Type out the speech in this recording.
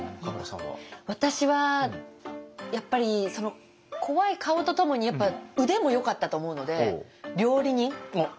私はやっぱり怖い顔とともに腕もよかったと思うので「料理人」。